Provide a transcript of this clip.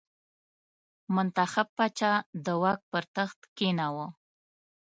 منتخب پاچا د واک پر تخت کېناوه.